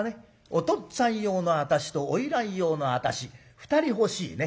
おとっつぁん用の私と花魁用の私２人欲しいね。